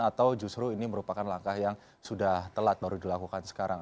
atau justru ini merupakan langkah yang sudah telat baru dilakukan sekarang